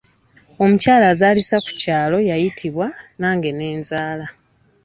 Omukyala azalisa kukyalo yayitibwa nange ne nzaala.